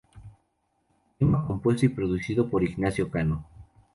Tema compuesto y producido por Ignacio Cano.